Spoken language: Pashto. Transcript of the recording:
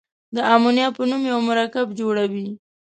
د امونیا په نوم یو مرکب جوړوي.